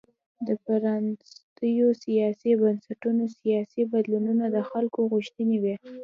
د پرانیستو سیاسي بنسټونو سیاسي بدلونونه د خلکو غوښتنې وې.